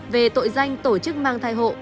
về tội danh tổ chức mang thai hộ